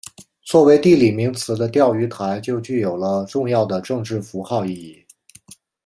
作为地理名词的钓鱼台就具有了重要的政治符号意义。